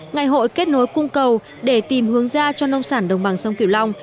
ngày hội kết nối cung cầu để tìm hướng ra cho nông sản đông bằng sông kiểu long